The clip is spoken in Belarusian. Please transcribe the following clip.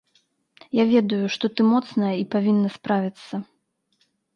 Я ведаю, што ты моцная і павінна справіцца.